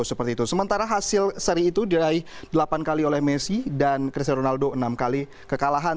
sementara hasil seri itu diraih delapan kali oleh messi dan cristiano ronaldo enam kali kekalahan